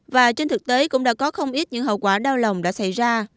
và trên thực tế cũng đã có không ít những hậu quả đau lòng đã xảy ra